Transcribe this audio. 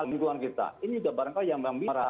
lingkungan kita ini juga barangkali yang bisa